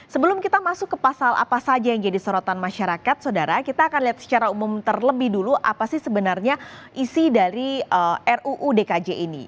sebelum kita masuk ke pasal apa saja yang jadi sorotan masyarakat saudara kita akan lihat secara umum terlebih dulu apa sih sebenarnya isi dari ruu dkj ini